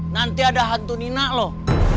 nanti ada hantu nina loh